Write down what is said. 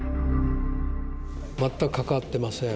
全く関わってません。